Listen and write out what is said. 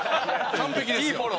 完璧です。